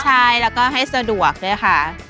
ใช่แล้วก็ให้สะดวกด้วยค่ะ